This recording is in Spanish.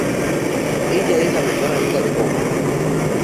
Ella es la mejor amiga de koko.